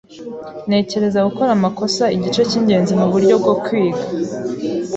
Ntekereza gukora amakosa igice cyingenzi muburyo bwo kwiga.